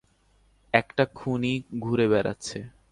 একটা খুনি ঘুরে বেড়াচ্ছে!